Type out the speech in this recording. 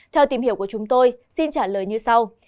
theo tìm hiểu của chúng tôi xin trả lời như sau